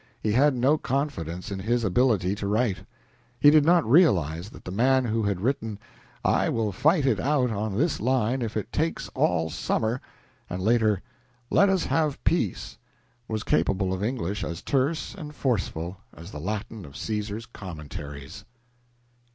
He had no confidence in his ability to write. He did not realize that the man who had written "I will fight it out on this line if it takes all summer," and, later, "Let us have peace," was capable of English as terse and forceful as the Latin of Caesar's Commentaries.